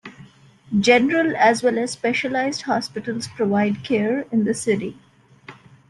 General as well as specialized hospitals provide care in the city.